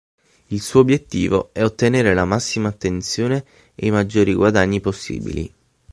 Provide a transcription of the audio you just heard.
Il suo obbiettivo è ottenere la massima attenzione e i maggiori guadagni possibili.